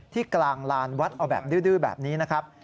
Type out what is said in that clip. กลางลานวัดเอาแบบดื้อแบบนี้นะครับ